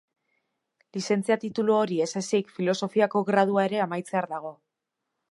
Lizentzia titulu hori ez ezik Filosofiako gradua ere amaitzear dago.